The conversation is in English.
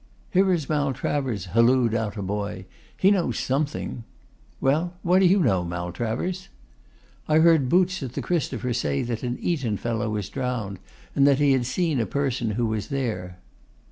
'Here is Maltravers,' halloed out a boy; 'he knows something.' 'Well, what do you know, Maltravers?' 'I heard Boots at the Christopher say that an Eton fellow was drowned, and that he had seen a person who was there.